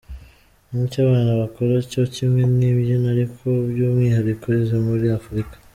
Ni icyo abana bakora cyo kimwe n’imbyino ariko by’umwihariko izo muri Afurika.